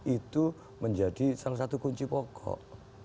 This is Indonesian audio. itu menjadi salah satu kunci pokok